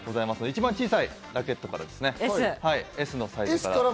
一番小さいラケットから、Ｓのサイズから。